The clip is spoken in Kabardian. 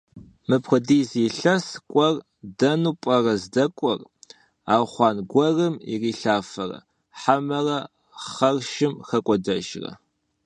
Мыпхуэдиз илъэс кӏуэр дэну пӏэрэ здэкӏуэр? Архъуанэ гуэрым ирилъафэрэ хьэмэрэ хьэршым хэкӏуэдэжрэ?